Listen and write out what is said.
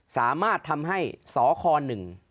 สามารถทำให้สคหนึ่ง